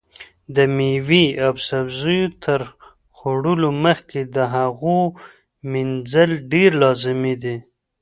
د مېوې او سبزیو تر خوړلو مخکې د هغو مینځل ډېر لازمي دي.